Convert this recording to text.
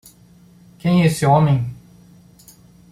Quem é esse homem?